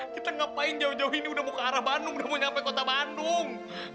kita ngapain jauh jauh ini udah mau ke arah bandung udah mau nyampe kota bandung